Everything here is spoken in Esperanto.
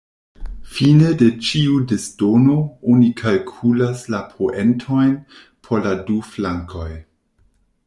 Fine de ĉiu "disdono" oni kalkulas la poentojn por la du flankoj.